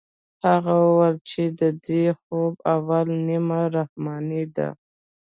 هغه وويل چې د دې خوب اوله نيمه رحماني ده.